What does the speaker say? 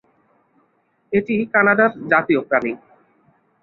এটি কানাডার জাতীয় প্রাণী।